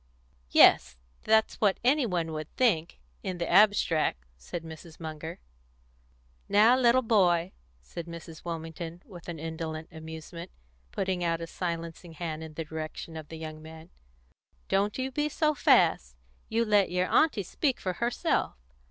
"Yes, that's what any one would think in the abstract," said Mrs. Munger. "Now, little boy," said Mrs. Wilmington, with indolent amusement, putting out a silencing hand in the direction of the young man, "don't you be so fast. You let your aunty speak for herself.